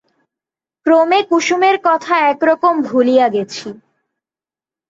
ক্রমে কুসুমের কথা একরকম ভুলিয়া গেছি।